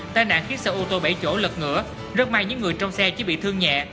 tai nạn khiến xe ô tô bảy chỗ lật ngửa rất may những người trong xe chỉ bị thương nhẹ